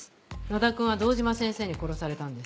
野田君は堂島先生に殺されたんです」。